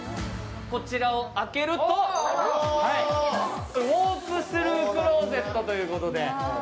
こちらを開けると、ウォークスルークローゼットということで。